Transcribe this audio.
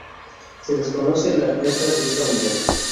Se desconocen las ventas de esta unidad.